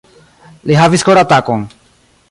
Li havis koratakon.